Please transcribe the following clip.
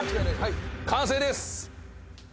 完成です！